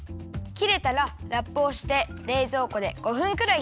きれたらラップをしてれいぞうこで５分くらいひやすよ。